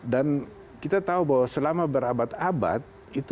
dan kita tahu bahwa selama berabad abad